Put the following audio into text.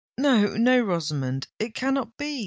"No—no, Rosamond—it cannot be!"